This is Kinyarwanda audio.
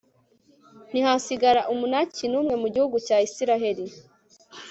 ntihasigara umunaki n'umwe mu gihugu cya israheli